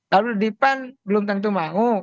kalau di pan belum tentu mau